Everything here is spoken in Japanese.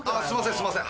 すいません。